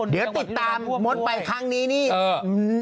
เดี๋ยวติดตามมดไปครั้งนี้นี่